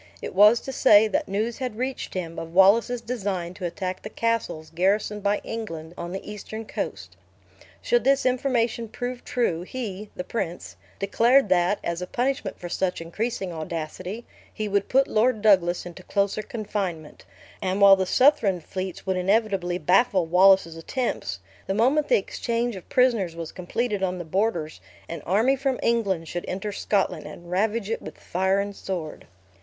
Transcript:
It was to say, that news had reached him of Wallace's design to attack the castles garrisoned by England, on the eastern coast. Should this information prove true, he (the prince) declared that, as a punishment for such increasing audacity, he would put Lord Douglas into closer confinement; and while the Southron fleets would inevitably baffle Wallace's attempts, the moment the exchange of prisoners was completed on the borders, an army from England should enter Scotland, and ravage it with fire and sword.